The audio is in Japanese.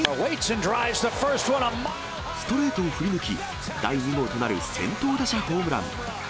ストレートを振り抜き、第２号となる先頭打者ホームラン。